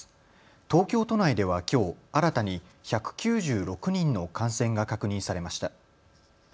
東京都内ではきょう、新たに１９６人の感染が確認されました。